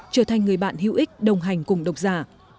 trở thành người bạn hữu ích đồng hành cùng các em nhỏ